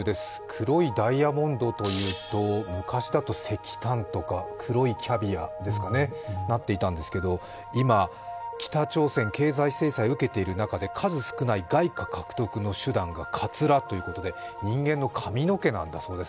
黒いダイヤモンドというと、昔だと石炭とか黒いキャビアになっていたんですけど、今、北朝鮮経済制裁受けている中で、数少ない外貨獲得の手段がかつらということで人間の髪の毛なんだそうです。